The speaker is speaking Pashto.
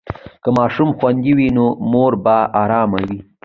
که ماشوم خوندي وي، نو مور به ارامه وي.